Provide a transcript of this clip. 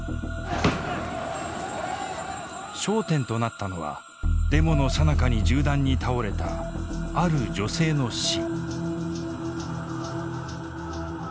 焦点となったのはデモのさなかに銃弾に倒れたある女性の死。